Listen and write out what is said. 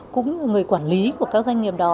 cũng người quản lý của các doanh nghiệp đó